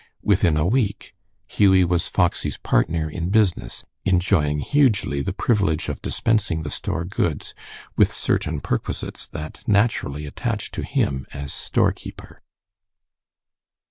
Within a week Hughie was Foxy's partner in business, enjoying hugely the privilege of dispensing the store goods, with certain perquisites that naturally attached to him as storekeeper.